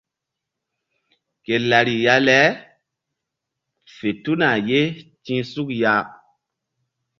Ke lariya le fe tuna ye ti̧h suk ya.